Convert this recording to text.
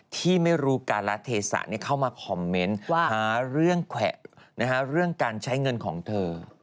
ที่ไม่รู้การะเทศะเข้ามาคอมเมนต์หาเรื่องแขวะเรื่องการใช้เงินของเธอ